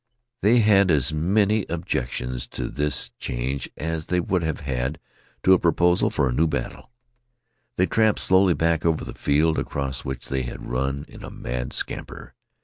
They had as many objections to this change as they would have had to a proposal for a new battle. They trampled slowly back over the field across which they had run in a mad scamper.